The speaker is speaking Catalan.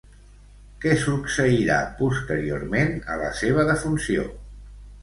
Què succeirà posteriorment a la seva defunció?